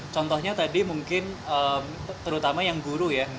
contohnya tadi mungkin terutama yang guru ya